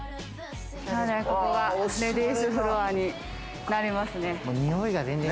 ここがレディースフロアになりますね。